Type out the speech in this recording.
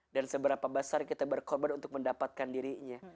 dan seberapa besar kita berkorban untuk mendapatkan dirinya